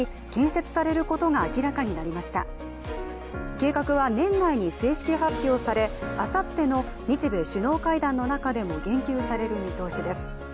計画は年内に正式発表されあさっての日米首脳会談の中でも言及される見通しです。